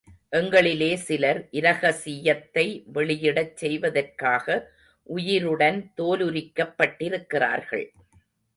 எங்களிலே சிலர், இரகசியத்தை வெளியிடச் செய்வதற்காக உயிருடன் தோலுரிக்கப் பட்டிருக்கிறார்கள்.